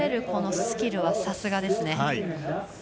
このスキルはさすがですね。